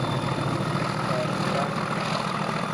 Dafukaa.